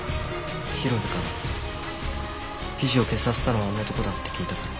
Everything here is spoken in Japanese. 広辺から記事を消させたのはあの男だって聞いたから。